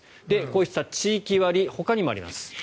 こうした地域割ほかにもあります。